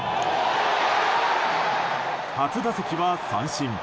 初打席は三振。